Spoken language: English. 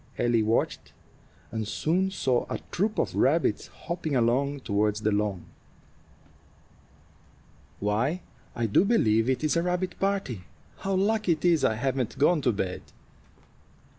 Ellie watched, and soon saw a troop of rabbits hopping along toward the lawn. "Why, I do believe it is a rabbit party. How lucky it is I haven't gone to bed!"